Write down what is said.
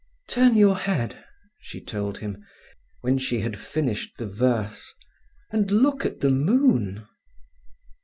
"Turn your head," she told him, when she had finished the verse, "and look at the moon."